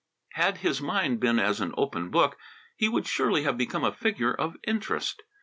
Had his mind been as an open book, he would surely have become a figure of interest.